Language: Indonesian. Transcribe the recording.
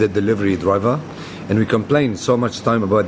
dan kami menyalahkan banyak waktu tentang mereka